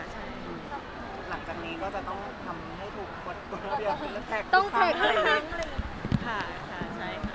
ใช่หลังจากนี้ก็จะต้องทำให้ถูกต้องแท็กทั้งเลย